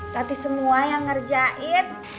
tati semua yang ngerjain